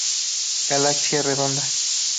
Galaxia Redonda.